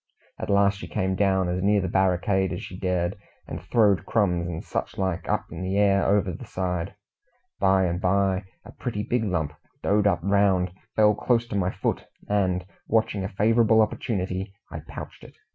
At last she came down as near the barricade as she dared, and throwed crumbs and such like up in the air over the side. By and by a pretty big lump, doughed up round, fell close to my foot, and, watching a favourable opportunity, I pouched it.